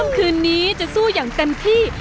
คืนนี้จะสู้อย่างเต็มที่